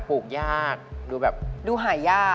พยายามเล่นอยู่ตายแล้ว